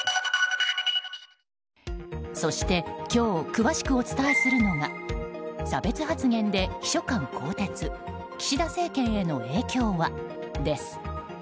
そして今日詳しくお伝えするのが差別発言で秘書官更迭岸田政権への影響は、です。